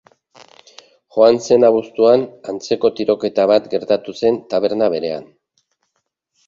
Joan zen abuztuan antzeko tiroketa bat gertatu zen taberna berean.